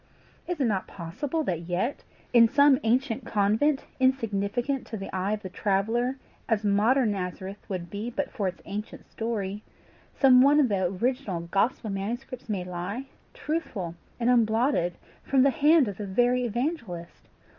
Is it not possible that yet, in some ancient convent, insignificant to the eye of the traveller as modern Nazareth would be but for its ancient story, some one of the original gospel manuscripts may lie, truthful and unblotted from the hand of the very evangelist?